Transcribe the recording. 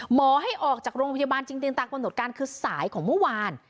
หมอให้ออกจากโรงพยาบาลจริงตามกำหนดการคือสายของเมื่อวาน